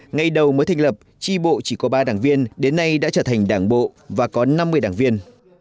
ngày đầu mới thành lập tri bộ chỉ có ba đảng viên đến nay đã trở thành đảng bộ và có năm mươi đảng viên